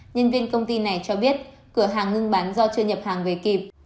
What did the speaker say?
nhân viên công ty này cho biết cửa hàng ngưng bán do chưa nhập hàng về kịp